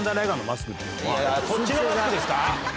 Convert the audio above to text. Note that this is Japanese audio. いやそっちのマスクですか？